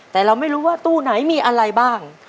แต่เราไม่รู้ว่าตู้ไหนมีอะไรบ้าง